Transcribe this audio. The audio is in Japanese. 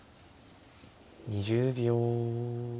２０秒。